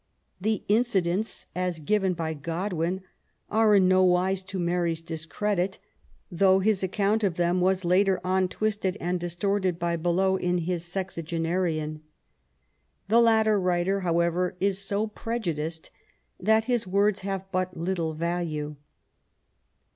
The incidents^ as given by Godwin, are in no wise to Mary's discredit, though his account of them was later on twisted and distorted by Beloe in his Sexagenarian. The latter writer, however, is so prejudiced that his words have but little value.